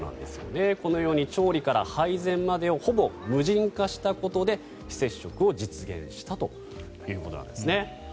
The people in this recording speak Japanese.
このように調理から配膳までをほぼ無人化したことで非接触を実現したということです。